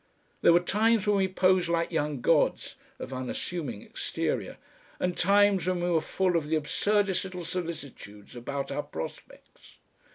There were times when we posed like young gods (of unassuming exterior), and times when we were full of the absurdest little solicitudes about our prospects.